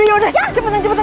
yaa yuk yuk cepetan cepetan